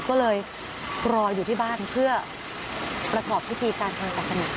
ก็เลยรออยู่ที่บ้านเพื่อประกอบพิธีการทางศาสนา